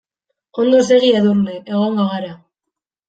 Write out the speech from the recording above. Ondo segi Edurne, egongo gara.